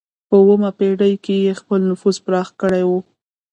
په اوومه پېړۍ کې یې خپل نفوذ پراخ کړی و.